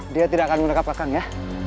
dia tidak akan menangkap kakak ya